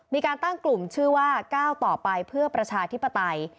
มีการตั้งกลุ่มชื่อว่าก้าวต่อไปเพื่อประชาธิปไตย